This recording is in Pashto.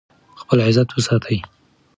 خپل عزت وساتئ.